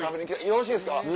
よろしいですか？